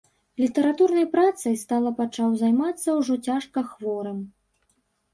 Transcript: Літаратурнай працай стала пачаў займацца ўжо цяжка хворым.